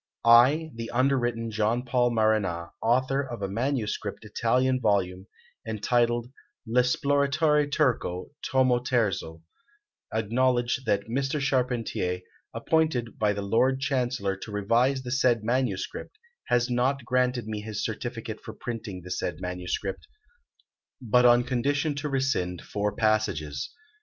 "I, the under written John Paul Marana, author of a manuscript Italian volume, entitled 'L'Esploratore Turco, tomo terzo,' acknowledge that Mr. Charpentier, appointed by the Lord Chancellor to revise the said manuscript, has not granted me his certificate for printing the said manuscript, but on condition to rescind four passages.